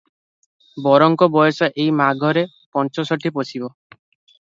ବରଙ୍କ ବୟସ ଏହି ମାଘରେ ପଞ୍ଚଷଠି ପଶିବ ।